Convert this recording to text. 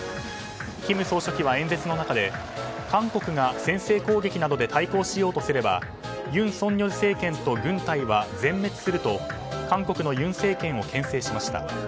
金総書記は演説の中で韓国が先制攻撃などで対抗しようとすれば尹錫悦政権と軍隊は全滅すると韓国の尹政権を牽制しました。